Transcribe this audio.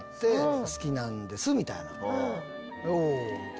お！みたいな。